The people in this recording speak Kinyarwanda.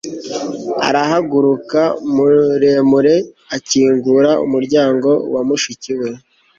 arahaguruka muremure akingura umuryango wa mushiki we